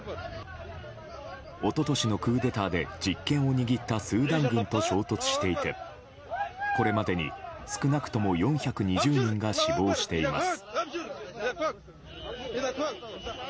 一昨年のクーデターで実権を握ったスーダン軍と衝突していてこれまでに少なくとも４２０人が死亡しています。